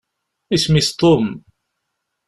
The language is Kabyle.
Isem-is Tom.